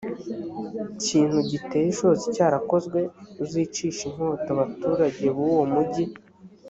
kintu giteye ishozi cyarakozwe uzicishe inkota abaturage buwo mugi